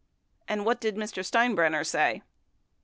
And what did Mr. Steinbrenner say